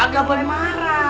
agak boleh marah